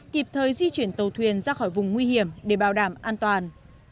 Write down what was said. kịp thời di chuyển tàu thuyền ra khỏi vùng nguy hiểm để bảo đảm an toàn